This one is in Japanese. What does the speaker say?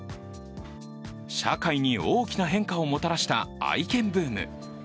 社会に大きな変化をもたらした愛犬ブーム。